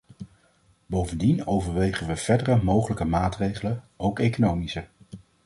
Bovendien overwegen we verdere mogelijke maatregelen, ook economische.